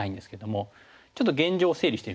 ちょっと現状を整理してみましょう。